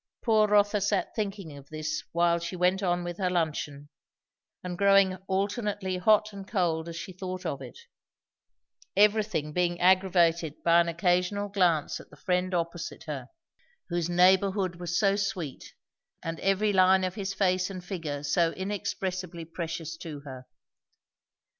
Poor Rotha sat thinking of this while she went on with her luncheon, and growing alternately hot and cold as she thought of it; everything being aggravated by an occasional glance at the friend opposite her, whose neighbourhood was so sweet, and every line of his face and figure so inexpressibly precious to her.